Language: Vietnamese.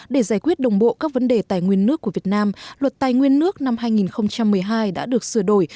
để giải quyết đồng bộ các vấn đề tài nguyên nước của việt nam luật tài nguyên nước năm hai nghìn một mươi hai đã được sửa đổi